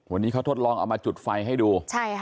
วันนี้เขาทดลองเอามาจุดไฟให้ดู